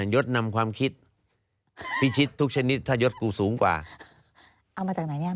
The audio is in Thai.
ยดนำความคิดพิชิตทุกชนิดถ้ายดกูสูงกว่าเอามาจากไหนเนี่ย